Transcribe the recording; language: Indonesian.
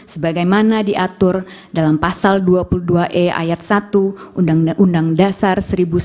sebagaimana diatur dalam pasal dua puluh dua e ayat satu undang undang dasar seribu sembilan ratus empat puluh lima